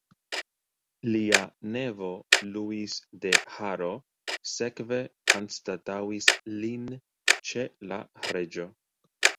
Lia nevo Luis de Haro sekve anstataŭis lin ĉe la reĝo.